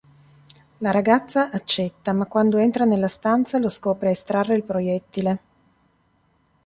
La ragazza accetta, ma quando entra nella stanza lo scopre a estrarre il proiettile.